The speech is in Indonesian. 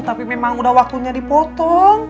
tapi memang udah waktunya dipotong